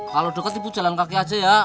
kalo deket ibu jalan kaki aja ya